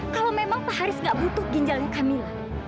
kalau memang pak haris gak butuh ginjalnya kamila